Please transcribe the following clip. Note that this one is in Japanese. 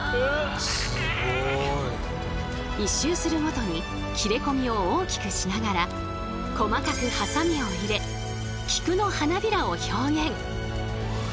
１周するごとに切れ込みを大きくしながら細かくハサミを入れ菊の花びらを表現。